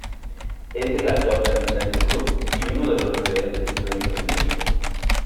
Es el actual capitán del club, y uno de los referentes históricos del equipo.